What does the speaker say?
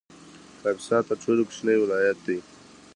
کاپیسا تر ټولو کوچنی ولایت دی